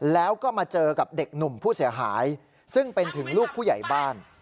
แล้วก็มาเจอกับเด็กหนุ่มผู้เสียหายซึ่งเป็นถึงลูกผู้ใหญ่บ้าน